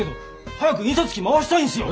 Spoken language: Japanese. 早く印刷機回したいんすよ！